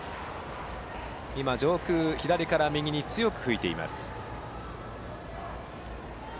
上空、左から右に強く吹いています。